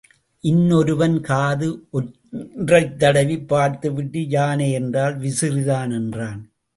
இனனொருவன் காது ஒன்றைத் தடவிப் பார்த்துவிட்டு யானை என்றால் விசிறிதான் என்றான்.